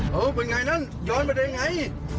เป็นไงนั้นย้อนไปได้ไง